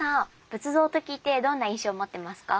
仏像と聞いてどんな印象を持ってますか？